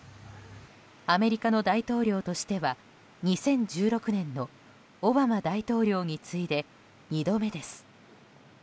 アメリカの大統領としては２０１６年のオバマ大統領に次いで２度目です。